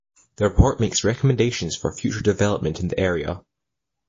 The report makes recommendations for future development in the area.